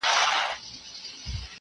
ټوله لار لېوه د شنه ځنگله کیسې کړې -